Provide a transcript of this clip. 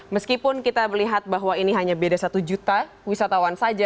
meskipun kita melihat bahwa ini hanya beda satu juta wisatawan saja